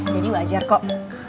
jadi wajar kok